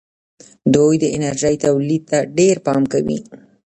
دوی د انرژۍ تولید ته ډېر پام کوي.